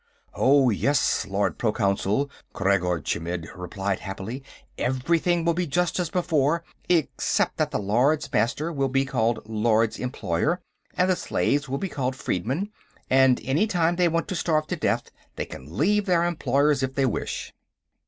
"Oh, yes, Lord Proconsul," Khreggor Chmidd replied happily. "Everything will be just as before, except that the Lords Master will be called Lords Employer, and the slaves will be called freedmen, and any time they want to starve to death, they can leave their Employers if they wish."